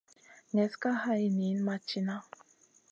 Neslna ka hay niyn ma tìna.